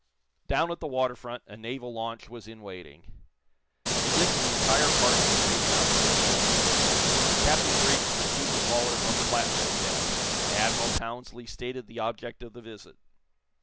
Down at the water front a naval launch was in waiting. In this the entire party was taken out to the "Thor." Captain Driggs received the callers on the platform deck, and Admiral Townsley stated the object of the visit.